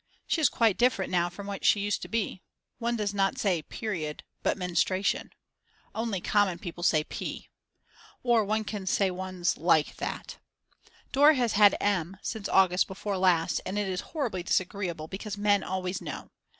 She is quite different now from what she used to be. One does not say P[eriod], but M[enstruation]. Only common people say P . Or one can say one's like that. Dora has had M since August before last, and it is horribly disagreeable, because men always know.